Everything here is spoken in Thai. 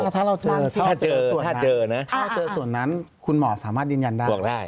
ถ้าเจอส่วนนั้นคุณหมอสามารถยืนยันได้